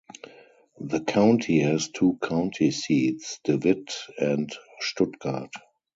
The county has two county seats, De Witt and Stuttgart.